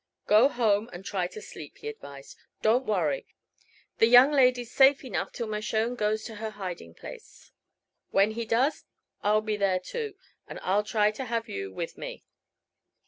"Go home and try to sleep," he advised. "Don't worry. The young lady's safe enough till Mershone goes to her hiding place. When he does, I'll be there, too, and I'll try to have you with me."